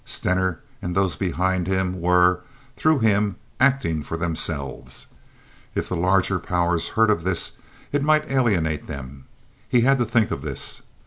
Stener and those behind him were, through him, acting for themselves. If the larger powers heard of this, it might alienate them. He had to think of this.